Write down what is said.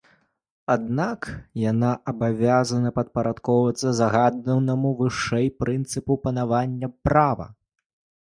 Аднак яна абавязана падпарадкоўвацца згаданаму вышэй прынцыпу панавання права.